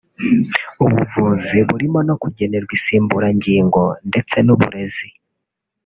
ubuvuzi burimo no kugenerwa insimburangingo ndetse n’uburezi